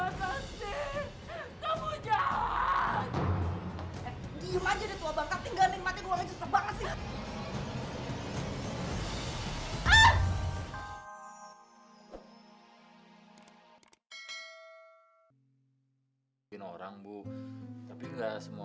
nggak nyesel ya aku maafin kamu